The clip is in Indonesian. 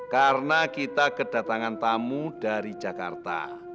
karena kita kedatangan tamu dari jakarta